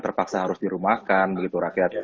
terpaksa harus dirumahkan begitu rakyat